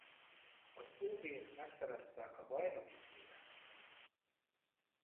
Az ob-n megszerezte a bajnoki címet.